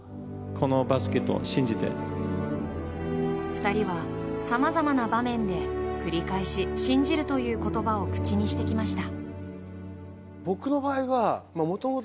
２人はさまざまな場面で繰り返し、信じるという言葉を口にしてきました。